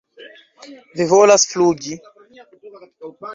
Vi volas flugi?